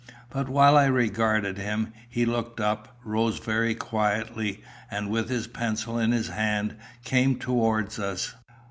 But while I regarded him, he looked up, rose very quietly, and, with his pencil in his hand, came towards us.